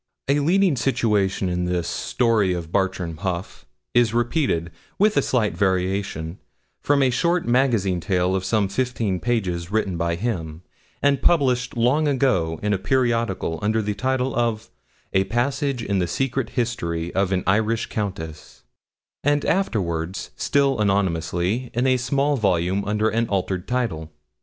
A leading situation in this 'Story of Bartram Haugh' is repeated, with a slight variation, from a short magazine tale of some fifteen pages written by him, and published long ago in a periodical under the title of 'A Passage in the Secret History of an Irish Countess,' and afterwards, still anonymously, in a small volume under an altered title.